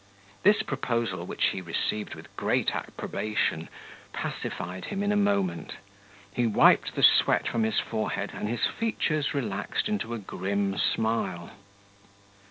This proposal, which he received with great approbation, pacified him in a moment: he wiped the sweat from his forehead, and his features relaxed into a grim smile.